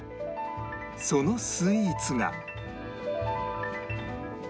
そのスイーツが